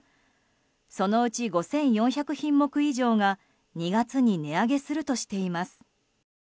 そのうち５４００品目以上が２月に値上げするとしています。